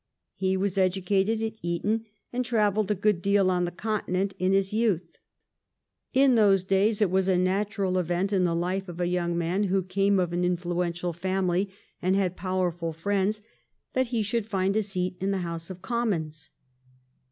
He was educated at Eton and travelled a good deal on the Continent in his youth. In those days it was a natural event in the life of a young man who came of an influential family and had powerful friends that he should find a seat in the House of Commons.